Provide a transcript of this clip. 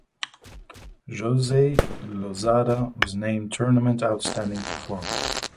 Jose Lozada was named Tournament Outstanding Performer.